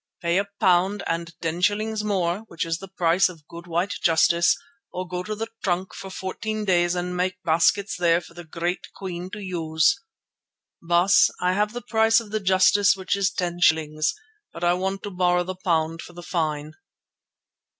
Pay a pound and ten shillings more, which is the price of good white justice, or go to the trunk for fourteen days and make baskets there for the great Queen to use.' Baas, I have the price of the justice which is ten shillings, but I want to borrow the pound for the fine."